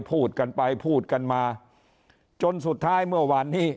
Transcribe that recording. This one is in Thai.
พูดกันไปพูดกันมาจนสุดท้ายเมื่อวานนี้